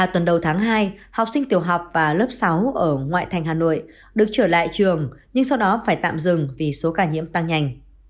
ba tuần đầu tháng hai học sinh tiểu học và lớp sáu ở ngoại thành hà nội được trở lại trường nhưng sau đó phải tạm dừng vì số ca nhiễm tăng nhanh